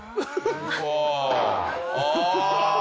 うわ！